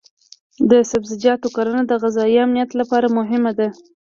د سبزیجاتو کرنه د غذایي امنیت لپاره مهمه ده.